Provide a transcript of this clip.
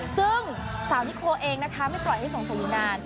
ซึ่งสาวที่ครัวเองนะคะไม่ปล่อยให้ส่งสติื้องาน